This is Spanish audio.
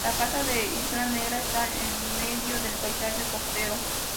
La casa de Isla Negra está en medio del paisaje costero.